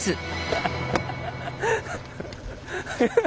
ハハハハ！